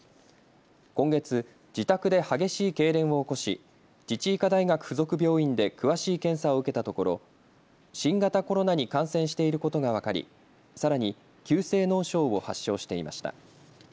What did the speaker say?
今月、自宅で激しいけいれんを起こし自治医科大学附属病院で詳しい検査を受けたところ新型コロナに感染していることが分かり、さらに急性脳症を発症していました。